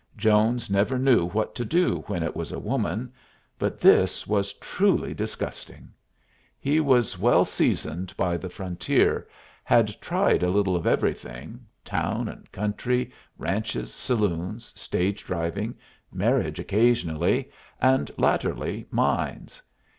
Jones never knew what to do when it was a woman, but this was truly disgusting. He was well seasoned by the frontier, had tried a little of everything: town and country, ranches, saloons, stage driving, marriage occasionally, and latterly mines.